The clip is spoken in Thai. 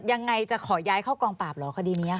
ยังไงจะขอย้ายเข้ากองปราบเหรอคดีนี้ค่ะ